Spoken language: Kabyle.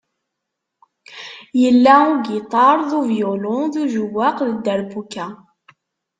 Yella ugiṭar d uvyulu, d ujawaq d dderbuka.